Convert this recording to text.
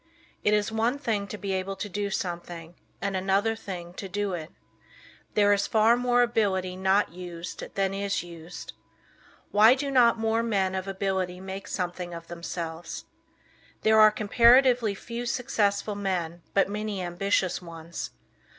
It is one thing to be able to do something, and another thing to do it. There is far more ability not used than is used. Why do not more men of ability make something of themselves? There are comparatively few successful men but many ambitious ones.